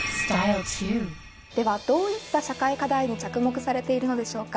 ではどういった社会課題に着目されているのでしょうか？